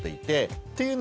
っていうのは